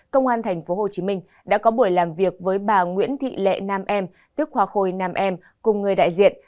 công an tp hcm đã có buổi làm việc với bà nguyễn thị lệ nam em tức hoa khôi nam em cùng người đại diện